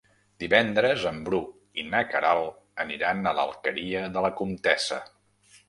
Divendres en Bru i na Queralt aniran a l'Alqueria de la Comtessa.